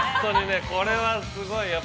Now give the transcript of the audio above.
◆これはすごい。